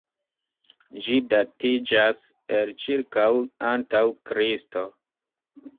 Ĝi datiĝas el ĉirkaŭ antaŭ Kristo.